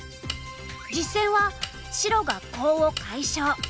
実戦は白がコウを解消。